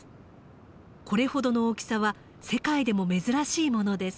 これほどの大きさは世界でも珍しいものです。